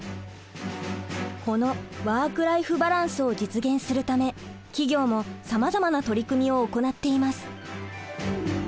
この「ワーク・ライフ・バランス」を実現するため企業もさまざまな取り組みを行っています。